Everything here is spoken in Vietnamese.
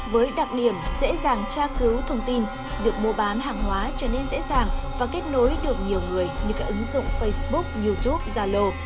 với đặc điểm dễ dàng tra cứu thông tin việc mua bán hàng hóa trở nên dễ dàng và kết nối được nhiều người như các ứng dụng facebook youtube zalo